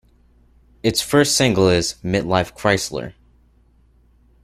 Its first single is "Mid-Life Chrysler".